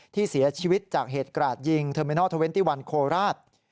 ที่เสียชีวิตจากเหตุกระดาษยิงเทอร์เมนอร์๒๑โคลราศ